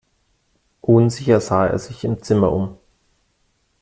Unsicher sah er sich im Zimmer um.